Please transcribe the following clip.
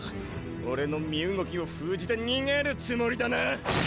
俺の身動きを封じて逃げるつもりだな！